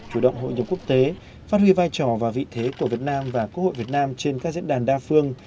chủ động hội nhập quốc tế phát huy vai trò và vị thế của việt nam và quốc hội việt nam trên các diễn đàn đa phương